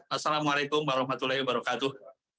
wassalamu alaikum warahmatullahi wabarakatuh